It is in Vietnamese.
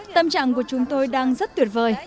tâm trạng của chúng tôi đang rất tuyệt vời